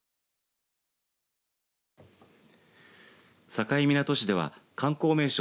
境港市では観光名所